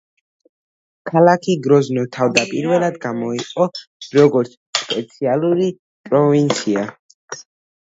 ქალაქი გროზნო თავდაპირველად გამოიყო, როგორც სპეციალური პროვინცია.